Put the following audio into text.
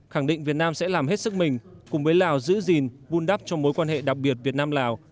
khẳng định việt nam sẽ làm hết sức mình cùng với lào giữ gìn vun đắp cho mối quan hệ đặc biệt việt nam lào